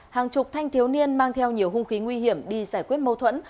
hàng chục thanh thiếu niên mang theo nhiều hung khí nguy hiểm đi giải quyết mâu thuẫn